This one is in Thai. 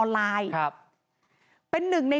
ปี๖๕วันเช่นเดียวกัน